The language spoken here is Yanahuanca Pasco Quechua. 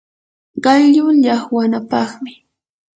qallu llaqwanapaqmi